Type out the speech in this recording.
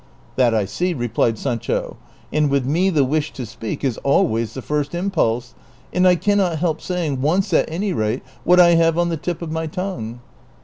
^' That I see," replied Sancho, " and with me the wish to speak is always the first impulse, and I cannot help saying, once at any rate, what I have on the tip of my tongue."